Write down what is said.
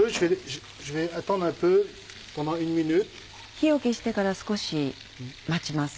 火を消してから少し待ちます。